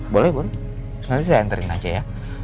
boleh bu nanti saya enterin aja ya